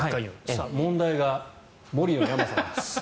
問題が、森の山さんです。